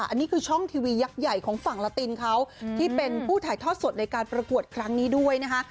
อันนี้คือช่องทีวียักษ์ใหญ่ของฝั่งลาตินเขาที่เป็นผู้ถ่ายทอดสดในการประกวดครั้งนี้ด้วยนะคะ